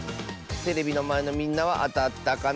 テレビのまえのみんなはあたったかな？